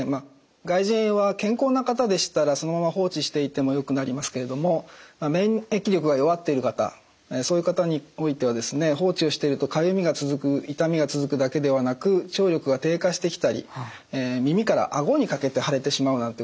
外耳炎は健康な方でしたらそのまま放置していてもよくなりますけれども免疫力が弱っている方そういう方においては放置をしているとかゆみが続く痛みが続くだけではなく聴力が低下してきたり耳から顎にかけて腫れてしまうなんてこともありえます。